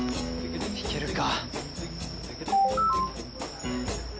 いけるか？